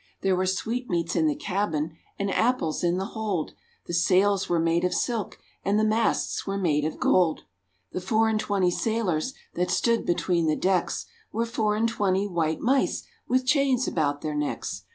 There were sweetmeats in the cabin, And apples in the hold; The sails were made of silk, And the masts were made of gold. The four and twenty sailors That stood between the decks, Were four and twenty white mice, With chains about their necks.